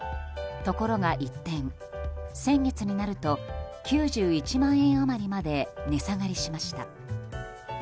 ところが一転、先月になると９１万円余りまで値下がりしました。